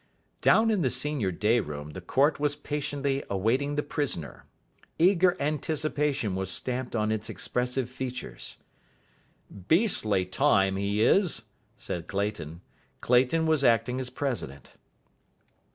Down in the senior day room the court was patiently awaiting the prisoner. Eager anticipation was stamped on its expressive features. "Beastly time he is," said Clayton. Clayton was acting as president.